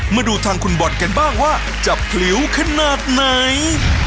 มาดูทางคุณบอลกันบ้างว่าจะผลิวขนาดไหน